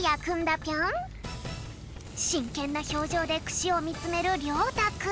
しんけんなひょうじょうでくしをみつめるりょうたくん。